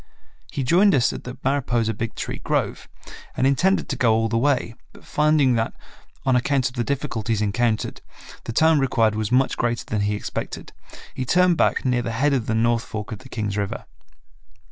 He joined us at the Mariposa Big Tree grove and intended to go all the way, but finding that, on account of the difficulties encountered, the time required was much greater than he expected, he turned back near the head of the north fork of the Kings River.